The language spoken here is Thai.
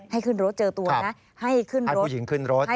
ให้ขึ้นรถเจอตัวนะให้ขึ้นรถให้ผู้หญิงขึ้นรถ